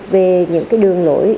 về những đường lỗi